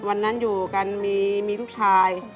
วันนั้นอยู่กันมีลูกชาย